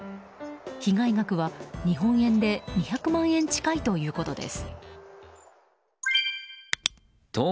被害額は日本円で２００万円近いということです。